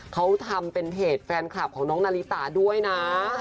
เขาทำเป็นเพจแฟนคลับของน้องนาลิตาด้วยนะ